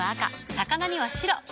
魚には白。